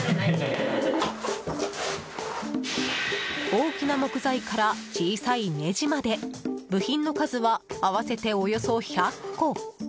大きな木材から小さいネジまで部品の数は合わせておよそ１００個。